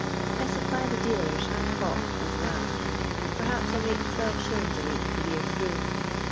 I supply the dealers and hawk as well Perhapi I make 12«. a week the [year through.